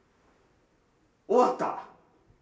終わった？